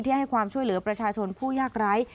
ให้ความช่วยเหลือประชาชนผู้ยากไร้